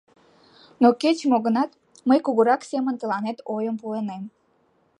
Но, кеч-мо гынат, мый кугурак семын тыланет ойым пуынем.